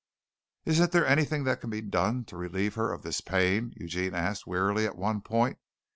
"Isn't there anything that can be done to relieve her of this pain?" Eugene asked wearily at one point.